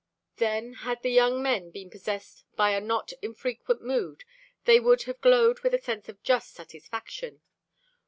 Then, had the young men been possessed by a not infrequent mood, they would have glowed with a sense of just satisfaction.